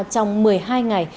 trong một mươi hai ngày